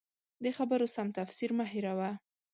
د خبرو سم تفسیر مه هېروه.